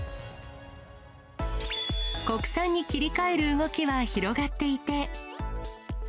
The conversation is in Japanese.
国産に切り替える動きは広がっていて。